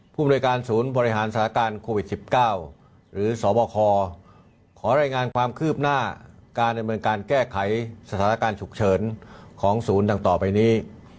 บริการศูนย์บริหารสถานการณ์โควิด๑๙หรือสบคขอรายงานความคืบหน้าการดำเนินการแก้ไขสถานการณ์ฉุกเฉินของศูนย์ดังต่อไปนี้